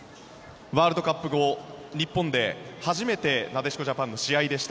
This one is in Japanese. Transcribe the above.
ワールドカップ後日本で初めてなでしこジャパンの試合でした。